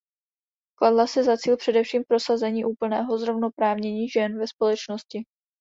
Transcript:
Kladla si za cíl především prosazení úplného zrovnoprávnění žen ve společnosti.